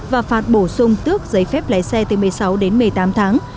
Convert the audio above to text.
và phạt bổ sung tước giấy phép lái xe từ một mươi sáu đến một mươi tám tháng